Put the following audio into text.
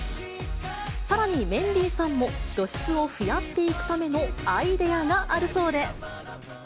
さらに、メンディーさんも、露出を増やしていくためのアイデアがあるそうで。